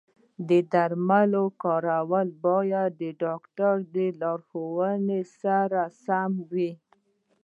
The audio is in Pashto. د درملو کارول باید د ډاکټر د لارښوونې سره سم وي.